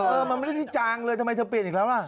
เออมันไม่ได้จางเลยทำไมเธอเปลี่ยนอีกแล้วล่ะ